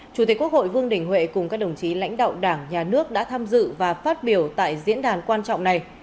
chủ tịch quốc hội vương đình huệ cùng các đồng chí lãnh đạo đảng nhà nước đã tham dự và phát biểu tại diễn đàn quan trọng này